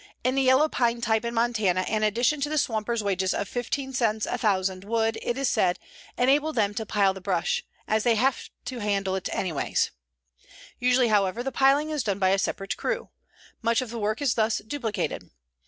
In the yellow pine type in Montana an addition to the swampers' wages of 15 cents a thousand would, it is said, enable them to pile the brush, as they have to handle it anyway. Usually, however, the piling is done by a separate crew. Much of the work is thus duplicated.